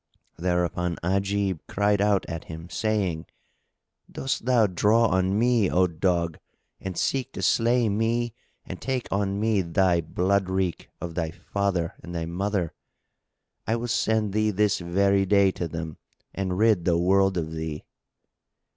Thereupon Ajib cried out at him, saying, "Dost thou draw on me, O dog, and seek to slay me and take on me thy blood wreak of thy father and thy mother? I will send thee this very day to them and rid the world of thee."